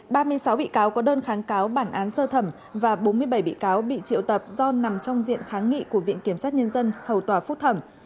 ba mươi sáu bị cáo có đơn kháng cáo bản án sơ thẩm và bốn mươi bảy bị cáo bị triệu tập do nằm trong diện kháng nghị của viện kiểm sát nhân dân hầu tòa phúc thẩm